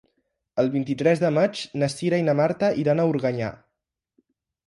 El vint-i-tres de maig na Cira i na Marta iran a Organyà.